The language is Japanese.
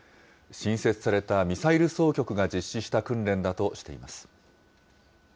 新設されたミサイル総局が実施した訓練だとしています。